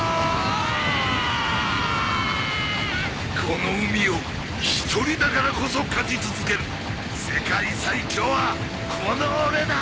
この海を一人だからこそ勝ち続ける世界最強はこの俺だ！